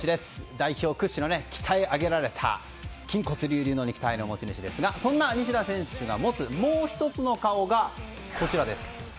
代表屈指の鍛え上げられた筋骨隆々の肉体の持ち主ですがそんな西田選手が持つもう１つの顔が、こちらです。